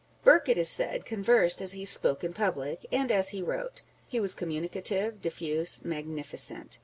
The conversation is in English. Burke, it is said, conversed as he spoke in public, and as he wrote. He was communicative, diffuse, magnificent.